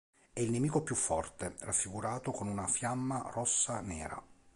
È il nemico più forte, raffigurato con una fiamma rossa-nera.